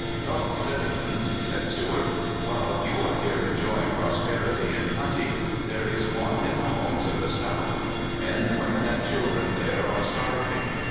"Fellow citizens," said Stewart, "while you are here enjoying prosperity and plenty, there is want in the homes of the South. Men, women, and chil dren there are starving.